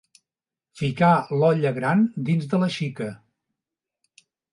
Ficar l'olla gran dins de la xica.